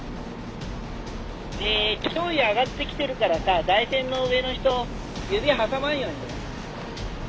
・潮位上がってきてるからさ台船の上の人指挟まんように。